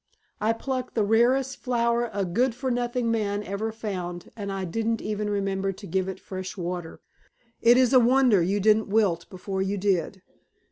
I plucked the rarest flower a good for nothing man ever found and I didn't even remember to give it fresh water. It is a wonder you didn't wilt before you did.